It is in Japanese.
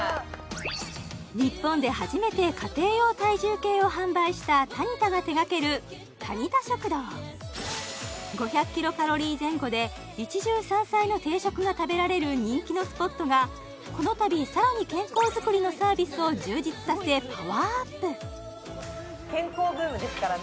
日本で初めて家庭用体重計を販売したタニタが手がけるタニタ食堂５００ｋｃａｌ前後で一汁三菜の定食が食べられる人気のスポットがこのたびさらに健康作りのサービスを充実させパワーアップ健康ブームですからね